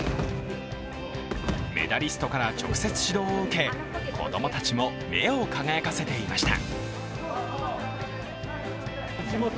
メダリストから直接指導を受け、子供たちも目を輝かせていました。